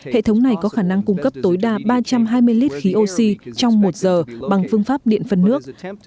hệ thống này có khả năng cung cấp tối đa ba trăm hai mươi lít khí oxy trong một giờ bằng phương pháp điện phân nước